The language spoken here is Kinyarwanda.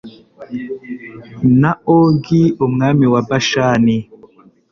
na Ogi umwami wa Bashani